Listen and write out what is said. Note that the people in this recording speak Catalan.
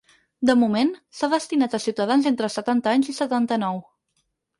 De moment, s’ha destinat a ciutadans entre setanta anys i setanta-nou.